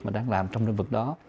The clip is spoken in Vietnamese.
mà đang làm trong lĩnh vực đó